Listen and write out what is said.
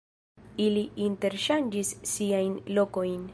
Ili interŝanĝis siajn lokojn.